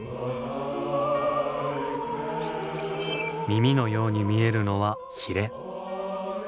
耳のように見えるのはヒレ。